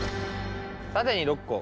縦に６個。